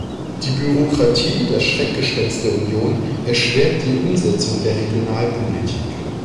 Die Bürokratie, das Schreckgespenst der Union, erschwert die Umsetzung der Regionalpolitik.